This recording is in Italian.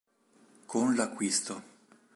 Con l'acquisto.